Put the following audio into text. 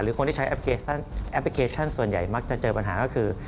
คนที่ใช้แอปพลิเคชันส่วนใหญ่มักจะเจอปัญหาก็คือ